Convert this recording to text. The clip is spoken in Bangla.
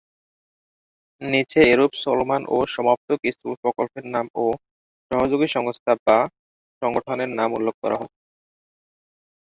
নিচে এরূপ চলমান ও সমাপ্ত কিছু প্রকল্পের নাম ও সহযোগী সংস্থা/সংগঠনের নাম উল্লেখ করা হল।